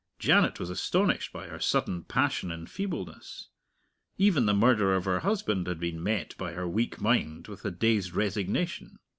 Janet was astonished by her sudden passion in feebleness. Even the murder of her husband had been met by her weak mind with a dazed resignation.